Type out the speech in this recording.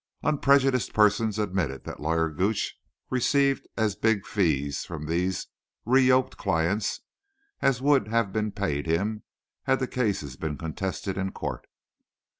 Unprejudiced persons admitted that Lawyer Gooch received as big fees from these reyoked clients as would have been paid him had the cases been contested in court.